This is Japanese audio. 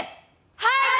はい！